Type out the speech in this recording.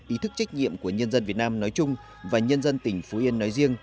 ý thức trách nhiệm của nhân dân việt nam nói chung và nhân dân tỉnh phú yên nói riêng